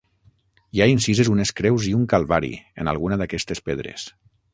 Hi ha incises unes creus i un calvari, en alguna d'aquestes pedres.